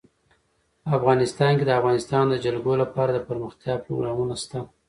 افغانستان کې د د افغانستان جلکو لپاره دپرمختیا پروګرامونه شته.